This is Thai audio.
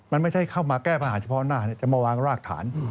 มันไม่ใช่เข้ามาแก้ปัญหาเฉพาะหน้าจะมาวางรากฐาน